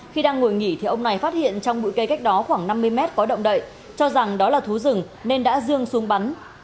khi đang ngồi nghỉ thì ông này phát hiện trong bụi cây cách đó khoảng năm mươi mét có động đậy cho rằng đó là thú rừng nên đã dương xuống bắn